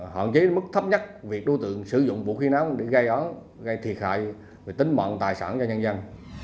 họ chế mức thấp nhất việc đối tượng sử dụng vũ khí nám để gây thiệt hại về tính mạng tài sản cho nhân dân